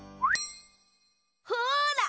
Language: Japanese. ほら！